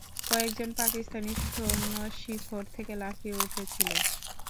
কয়েকজন পাকিস্তানি সৈন্য শিখর থেকে লাফিয়ে উঠেছিল।